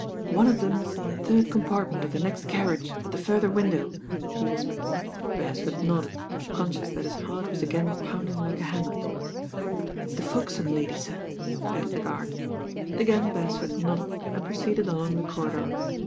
"One of them's in the third compartment of the next carriage at the further window," he whis pered. Beresford nodded, conscious that his heart was again pounding like a hammer. "It's the Folkestone lady, sir," added the guard. Again Beresford nodded and proceeded along the corridor.